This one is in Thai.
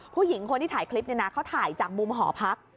ผู้หญิงคนที่ถ่ายคลิปเนี่ยนะเขาถ่ายจากมุมหอพัก